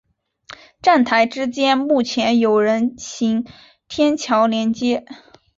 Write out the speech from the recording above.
站台之间目前有人行天桥连接。